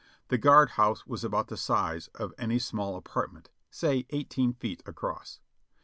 The guard house was about the size of any small apartment, say eighteen feet across.